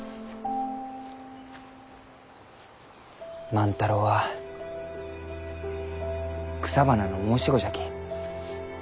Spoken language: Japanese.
万太郎は草花の申し子じゃき。